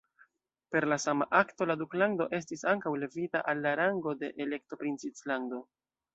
Per la sama akto la duklando estis ankaŭ levita al la rango de elektoprinclando.